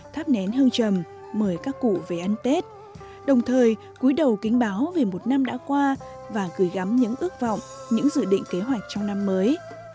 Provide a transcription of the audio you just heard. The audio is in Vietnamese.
thắp nén hương trầm mời các cụ về ăn tết đồng thời cuối đầu kính báo về một năm đã qua và gửi gắm những ước vọng những dự định kế hoạch trong năm mới